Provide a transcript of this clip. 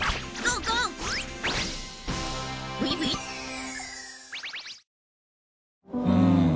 うん。